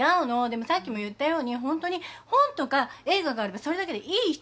でもさっきも言ったようにホントに本とか映画があればそれだけでいい人なの。